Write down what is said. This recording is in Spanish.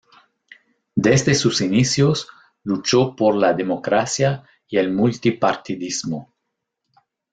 Desde sus inicios luchó por la democracia y el multipartidismo.